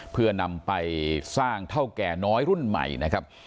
เพื่อนำไปสร้างเท่าแก่น้อยรุ่นใหม่นะครับ